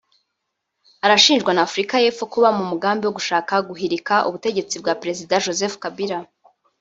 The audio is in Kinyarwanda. arashinjwa na Afurika y’Epfo kuba mu mugambi wo gushaka guhirika ubutegetsi bwa Perezida Joseph Kabila